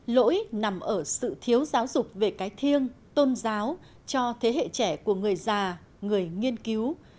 lỗi nằm ở sự thiếu giáo dục về cái thiêng tôn giáo cho thế hệ trẻ của người già người nghiên cứu